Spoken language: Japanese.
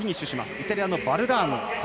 イタリアのバルラーム。